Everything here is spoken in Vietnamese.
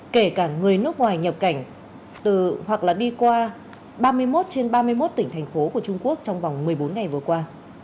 kể cả người nước ngoài nhập cảnh hoặc là đi qua ba mươi một trên ba mươi một tỉnh thành phố của trung quốc trong vòng một mươi bốn ngày vừa qua